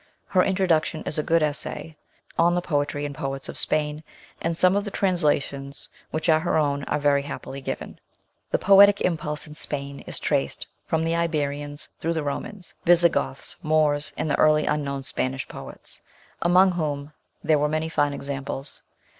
Her intro duction is a good essay on the poetry and poets of Spain, and some of the translations, which are her own, are very happily given. The poetic impulse in Spain is traced from the Iberians through the Romans, Visigoths, Moors, and the early unknown Spanish poets, among whom there were many fine examples.